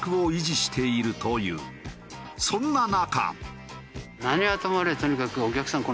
そんな中。